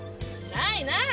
ないない！